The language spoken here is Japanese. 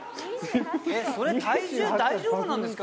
それ体重大丈夫なんですか？